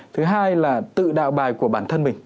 thứ hai là tự đạo bài của bản thân mình